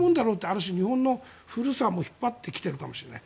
ある種、日本の古さも引っ張ってきているかもしれない。